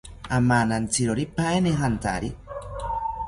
Amanantziroripaeni jantari